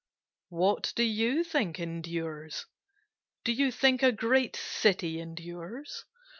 What do you think endures? Do you think a great city endures?